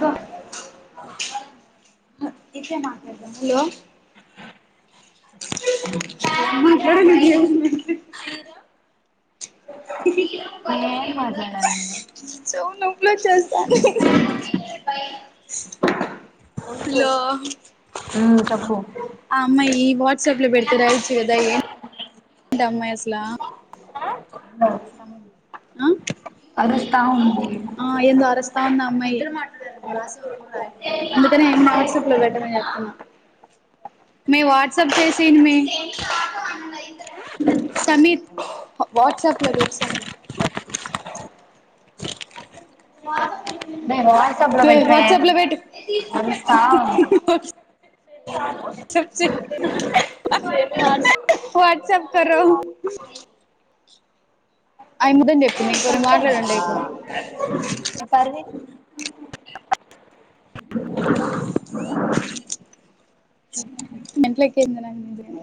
The hello [unintelligible] [unintelligible] నేనేం మాట్లాడాలి [unintelligible] hello ఉమ్ చెప్పు ఆ అమ్మాయి వాట్సాప్ లో పెడత రాయచు కదా ఎం ఎంట ఆ అమ్మాయి అసల ఆరస్త ఉంది ఆ ఏందో అరస్తా ఉంది ఆ అమ్మయి అందుకనే వాట్సాప్ లో పెట్టమని చెప్తున్నా మే వాట్సాప్ చేసి మే సమీర్ వాట్సాప్ లో పెట్ సమీర్ [unintelligible] మే వాట్స్ అప్ లో మే పెట్టుమే వాట్సాప్ లో పెట్టు ఆరస్త ఉంది సచే వాట్సప్ [unintelligible] [unintelligible] ఎప్పర్ [unintelligible] మెంట్లఎక్కింది నాకు నిజంగా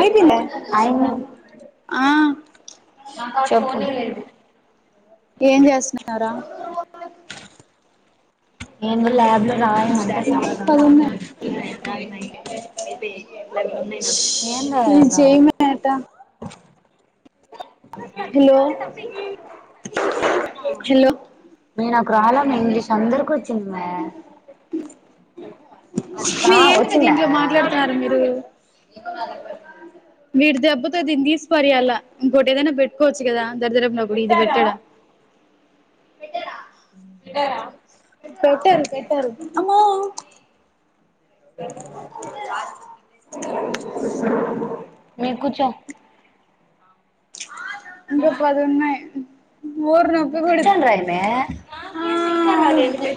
అయిపోయిందా ఆ అమ్మి ఆ చెప్ప ఏం చేస్తున్నారా ఏందు ల్యాబ్ లో రాయమ అంటే సార్ పది ఉన్నాయి. [unintelligible] ఏం రాయాలా [unintelligible] హలో హలో మే నాకు రాలం ఇంగ్లీష్ అందరూకు వచ్చింది మే అ ఏంది మీరు వచ్చిందా దీంట్లో మాట్లాడుతున్నారు మీరు వీడి దెబ్బతో దిని తీసి పరేయ్యాల ఇంకోటి ఏదైనా పెట్టుకోవచ్చు కదా దరిద్రపు [unintelligible] ఇది పెట్టాడా పెట్టరు పెట్టరు [unintelligible] నీకు చు ఇంకా పది ఉన్నాయి ఊర్ కూర్చొని రాయి ఆ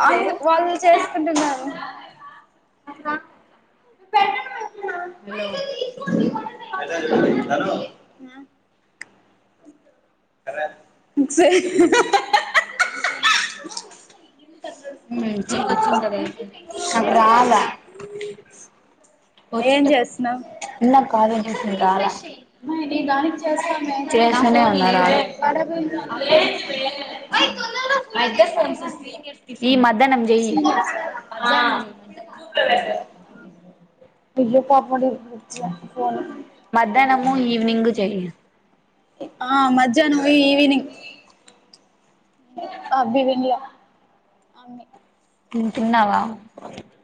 అందు వాళ్ళు చేస్ ంటంద [unintelligible] పెట్టమంటున్నా మే [unintelligible] నాకు వచ్చి ఏం ఇక్కడ కూర్చో చేస్తున్నావ్ ఉన్నారు కావ్య [unintelligible] ఎ కా [unintelligible] మరి దానికి చేస్తమే చేస్తూనే ఉన్నా రాలే పడవి [unintelligible] మన్నాస్త [unintelligible] ఈ మధ్యాహ్నం చెయి బల్ పా పోడి ఫ [unintelligible] మధ్యాహ్నము ఈవినింగ్ చెయి ఆ మధ్యాహ్నం పోయి ఈవినింగ్ అ అబ్బి విన్ల అన్ని తింటున్నావా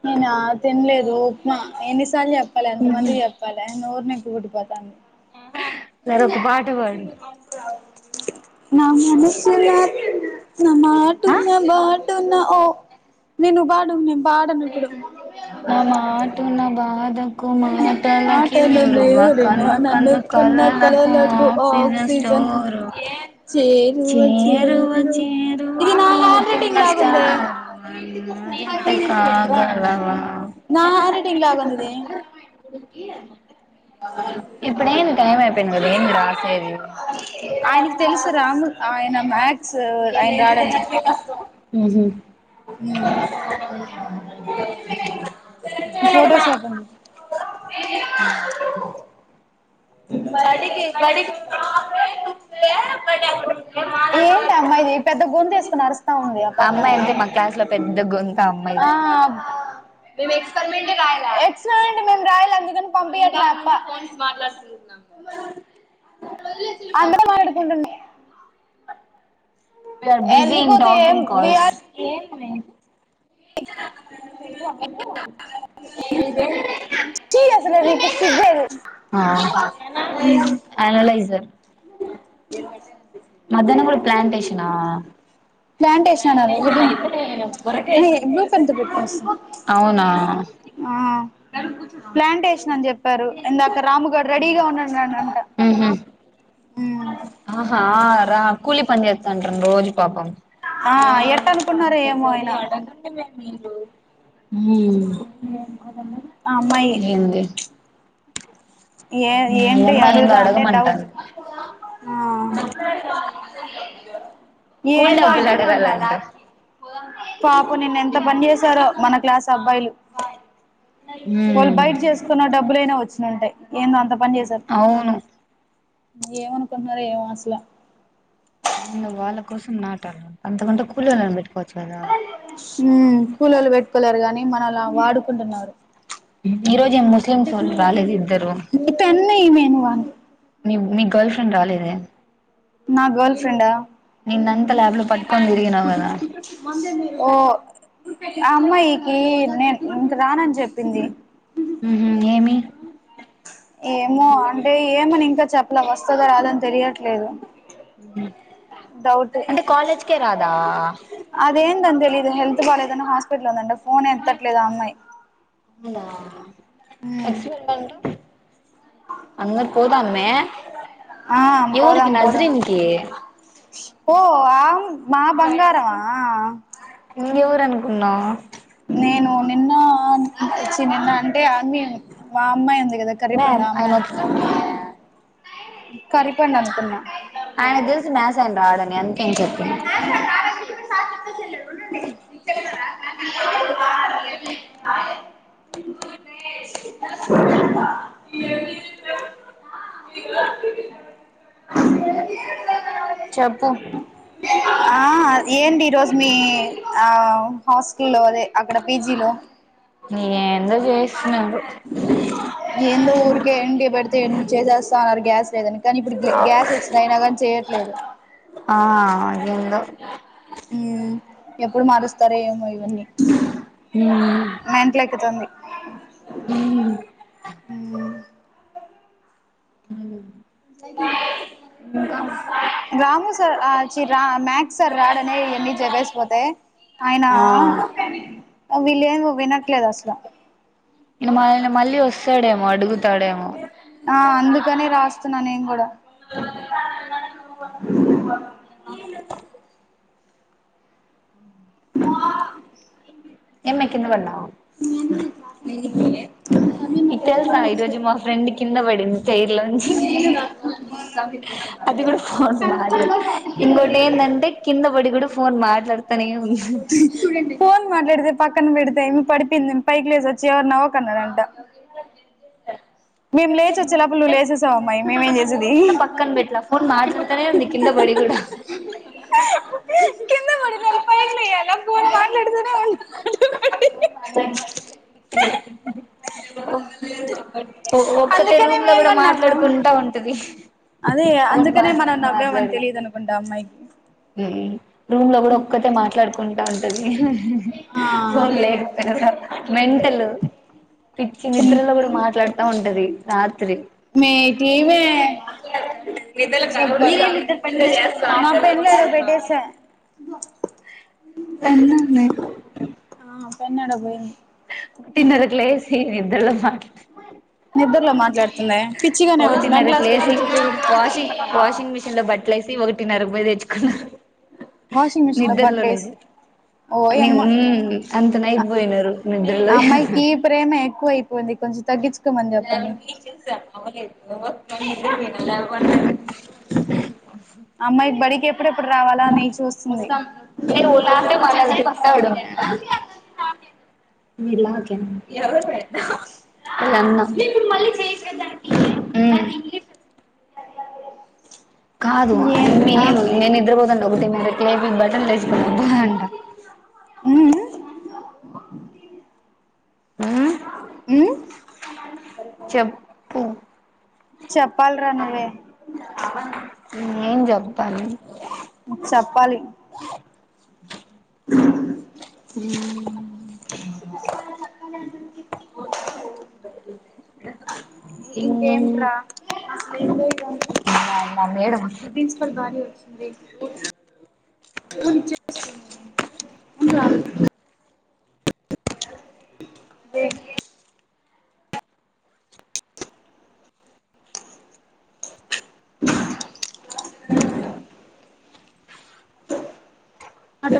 నేనా తినలేదు ఉప్మా ఎన్నిసార్లు చె చెప్పాలి ఎంతమందికి చెప్పాలి నోరు నెప్పుపుట్టి పొతాంది మరి ఒక పాట పాడు నా మనసు నా నా ఆ మాటున్న బాటున్న ఓ నేను బాడు నేను బాడను ఇప్పుడు ఆ మాటూ నా బాధ కుమటలకి ఆటలు ఊరు లేవురెన కన్ను కన్ను నన్నుకున్న కలలకు ఆక్సిజన్ స్టోరు చేరువ చేరువ ఇది నా హ్యాండ్ అవుతున్న రైటింగ్ లాగుందే స్టార్ట్ నువ్ జత కాగలవా నా హ్యాండ్ రైటింగ్ లాగుందిది మ [inaudible] ఇప్పుడు ఏంది టైం అయిపోయింది కదా ఏంది రాసేది ఆయనకి తెలుసు రాము ఆయన మ్యాథ్స్ ఆయన అ హ్ [unintelligible] ఫొటోస్ ఓపెన్ చెయి చెయ్ ఏంటి అమ్మాయిది పెద్ద గొంతు వేసుకుని అరుస్తా ఉంది ఆ అమ్మాయి పక్కనే అంటే మా క్లాస్ లో పెద్ద గొంతు అమ్మాయిది ఎండి మేం రాయాల అందుకని పంపియట్ల అక్క [unintelligible] అందరం మాటాడుకుంటుడి విఆర్ బిజీ ఇన్ ఏం టాకింగ్ వి కాల్స్ ఆర్ ఆ ఉమ్ అనలైజర్ ఆ ప్లాంటేషన్ హెడింగ్ బ్లూ పెన్ తో పెట్టుకొస్తా అవునా ఆ ప్లాంటేషన్ అని చెప్ చెప్పారు ఇందాక రాముగాడు రెడీగా ఉన్నాడున్న అంట ఉ హ రా కూలి పని చేస్తాండరంట్ర రోజు పాపం ఆ ఎట్ అనుకున్నార ఏమో ఆయన ఉమ్మ్ ఆ అమ్మాయే ఏ ఈ ఏంటి అమ్మాయి ఏందో అడుగుదాం అంటే డౌట్ అడగమంటాంది ఆ కూలి ఏందో డబ్బులు అడగాలంట పాప నిన్న ఎంత పని చేసారో మన క్లాస్ అబ్బాయిలు. వాయ్ వాళ్ళు బయట ఉ చేసుకున్న డబ్బులైనా వచ్చినుంటాయ్. ఏందో అంత పని చేసారు అవును ఏమనుకుంటున్నార ఏమో అసల వాళ్ళ కోసం నా త అంత కొంటూులిని బటుకువి ఉం కూలీలు పెట్టుకోలేరు కాగానీ మన అలా వాడుకుంటున్నారు. ఈ రోజు ఏం ముస్లింసు వాళ్ళు రాలేదు ఇద్దరు ఇతన్ని ఈమెను వాని గర్ల్ ఫ్రెండ్ రాలేదే నా గర్ల్ ఫ్రెండా నిన్నంతా ల్యాబ్ లో పట్టుకొని తిరిగినావు కదా ఆ ఓ ఆ అమ్మాయికి నేను ఇంక రాను అని చెప్ పింది ఉహు ఏమి ఏమో అంటే ఏమని ఇంకా చెప్పలే వస్తుంద రాదని తెలియట్లేదు డౌట్ అంటే కాలేజ్కే రాదా అదేందని తెలిదు హెల్త్ బా ట్ందంట ఫోన్ ఎత్తట్లేదు అమ్మాయి అవునా అంగరి పోదామే ఆ ఎవఊరికి పోదాం పోదాం నజ్రీన్నికి ఓ ఆం మా బంగారవా ఇంగ ఊరు అనుకున్నా నేను నిన్న వచ్చి నిన్న అంటే ఆర్మీ మా అమ్మాయి దా కరీ మే పండామ్ ఆయన వచ్చాడు మే కరిపండి అనుకున్నా ఆడ కం చెప్ప చెప్పు ఆ ఏందీ ఈరోజు మీ ఆ హాస్టల్ లో అదే అక్కడ పీజీలో. ఏందో చేస్తున్నాడు ఏందో ఊర్కే ఏండి బడితే ఎం చేసేస్తా ఉన్నారు గ్యాస్ లేదని. కానీ ఇప్పుడు గ గ్యాస్ వచ్చంది అయినా గానీ చేయట్ లేదు ఆ అదేందో. ఊ ఎప్పుడు మారుస్తారో ఏమో ఇవన్నీ. హూ అ హ్మ ఊ ఇంకా రాము సార్ ఆ చి రా మ్యాత్స సార్ రాడనే ఇయ్యని చదివేసి పోతే ఆయన ఆ వీల్లేమో వినట్లేదు అసల. ఇన ఆయన మళ్ళీ వస్తాడేమో అడుగుతాడేమో. ఆ అందుకనే రాస్తున్నా నేన్ గూడా. ఆ కిందబడ్నావ్. ఎ నీకై తెలుసా ఈ రోజు మా ఫ్రెండ్ కింద పడింది చైర్లోంచి. అది కూడా ఫోన్ మాట్లాడత ఇంకోటి ఏందంటే కింద పడి కూడా ఫోన్ మాట్లాడతనే ఉంది. ఫోన్ మాట్లాడితే పక్కన పెడితేం పడిపోయింద్ పైకి లేసి వచ్చి ఎవర్ నవ్వక్ అన్నదంట. మేము లేచి వచ్చేలోపల నువ్వు నువ్వే లేసేసావ్ అమ్మాయి మేమేం చేసేదీ. ఫోన్ కూడా పక్కన పెట్లా ఫోన్ మాట్లాడుతనే ఉంది కింద పడి కూడా కింద బడినోళ్లు పైకి లేయ్యాలా ఫోన్ మాట్లాడతనే ఉండ్ ఒక్కతె రూమ్ లో కూడా మాట్లాడుకుంటా ఉంటది. అదే ఫోన్ అందుకనే మాట్లాడి మనం నవ్వామని తెలీదు అనుకుంటా ఆ అమ్మాయికి. ఉమ్ రూమ్ లో కూడా ఒక్కతె మాట్లాడుకుంటా ఉంటది. ఆ ఫోన్ లేకపోయినా మెంటల పిచ్చి నిద్రలో కూడా మాట్లాడుతా ఉం టది రాద్ మే ఇటీ మే మీరేంది ఇద్దర్ పెన్లు తెచ్చుకోకుండా నా పెన్నులు ఏడో పెట్ పేసా బ పెన్నుందీ. ఆ పెన్ను ఏడ పోయింది ఒక్కటిన్నరకి లేసీ నిద్ ద్రల మాట్లాడ నిద్దరలో మాట్లాడుతుందే పిచ్చిగానే మెంటల్ ఒకటిన్నరకు హాస్పిటలో లేసి చూపీయ గూడదు. వాషింగ్ క్కన్నా వాషింగ్ మిషన్ లో బట్లేసి ని ఓయమ్మా మ్మ్ అంత నైట్ పోయినారు నిద్రలో అమ్మాయికి ప్రేమ ఎక్కువ అయిపోయింది కొంచం తగ్గించుకో [unintelligible] అమ్మాయి బడికి ఎప్పుడెప్పుడు రావాలా అని చూస్తుంది అంటే [inaudible] ఒళ్ళుంటే మనల్ని తిట్టాడు విలా ఇ అన్న ఉమ్ కాదు అ ఏం ఆ నేను నిద్రపోదం ఒకటి మీట్ బటన్ లేసుకోంట ఉమ్ మ్ ఉమ్ చెప్పు చెప్పాలరా నువ్వే ఏం చేదం చెప్పాలి ాల చాలి అ మ్ ఇంకేంట్రా ఏ ఆ మేడం వచ్చింది [inaudible] అ అ అదే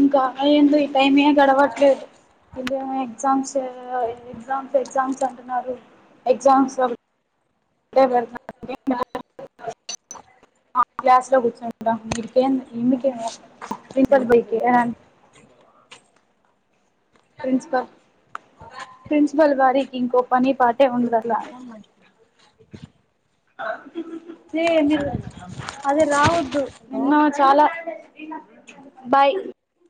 ఇంకా అలా ఎందొ ఈ టైం ఏ గడవట్లేదు ఏమో ఎగ్జామ్స్ ఎగ్జామ్స్ ఎగ్జామ్స్ అంటున్నారు ఎగ్జామ్స్ [inaudible] డుతు క్లాస్ లో కూర్చుంటాం ఇకేం ఇకే ప్రిన్సిపాల్ [inaudible] ప్రిన్సిపల్ ప్రిన్సిపల్ గారికి ఇంకో పని పాటే ఉండదు అట్లా అరు అదే రావద్దు హలో నిన్న చాలా బాయ్